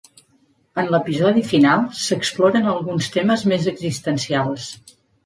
En l'episodi final, s'exploren alguns temes més existencials.